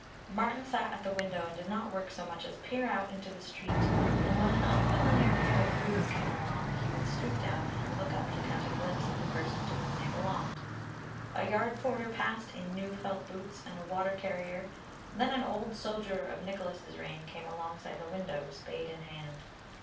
Martin sat at the window and did not work so much as peer out into the street, and when an unfamiliar pair of boots came along, he would stoop down and look up to catch a glimpse of the person to whom they belonged. A yard porter passed in new felt boots and a water carrier; then an old soldier of Nicholas' reign came alongside the window, spade in hand.